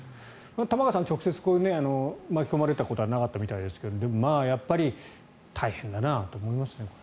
玉川さん、直接こういうのに巻き込まれたことはなかったみたいですが大変だなと思いますよね。